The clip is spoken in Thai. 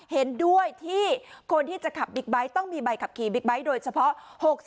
เห็นด้วยที่คนที่จะขับบิ๊กไบท์ต้องมีใบขับขี่บิ๊กไบท์โดยเฉพาะ๖๔